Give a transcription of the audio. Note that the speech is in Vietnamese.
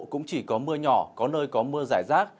cũng chỉ có mưa nhỏ có nơi có mưa rải rác